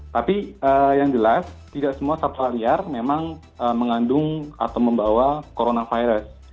tapi yang jelas tidak semua satwa liar memang mengandung atau membawa coronavirus